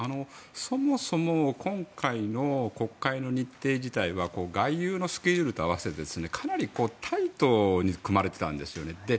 そもそも今回の国会の日程自体は外遊のスケジュールと合わせてかなりタイトに組まれていたんですよね。